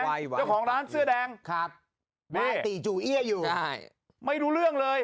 ไวไวเจ้าของร้านเสื้อแดงครับมาติจูเอี้ยอยู่ได้ไม่ดูเรื่องเลย